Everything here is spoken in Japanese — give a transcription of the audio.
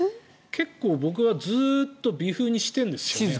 結構、僕はずっと微風にしてるんですよ。